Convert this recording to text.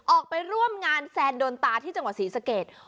ออกไปร่วมงานแซนโดนตาที่จังหวัดศรีสะเกด